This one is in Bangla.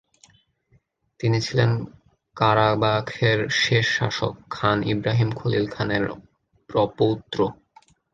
তিনি ছিলেন কারাবাখের শেষ শাসক খান ইব্রাহিম খলিল খানের প্রপৌত্র।